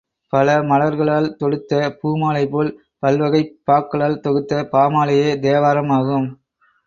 பல மலர்களால் தொடுத்த பூமாலைபோல், பல்வகைப் பாக்களால் தொகுத்த பாமாலையே தேவாரம் ஆகும்.